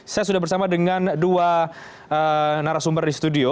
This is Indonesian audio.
saya sudah bersama dengan dua narasumber di studio